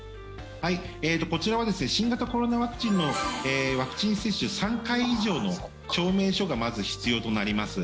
こちらは新型コロナワクチンのワクチン接種３回以上の証明書がまず必要となります。